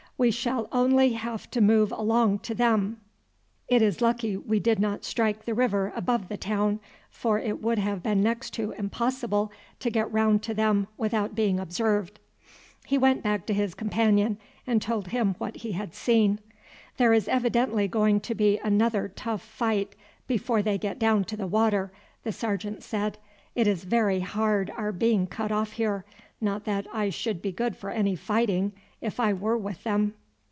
We shall only have to move along to them. It is lucky we did not strike the river above the town, for it would have been next to impossible to get round to them without being observed." He went back to his companion, and told him what he had seen. "There is evidently going to be another tough fight before they get down to the water," the sergeant said. "It is very hard our being cut off here. Not that I should be good for any fighting if I were with them."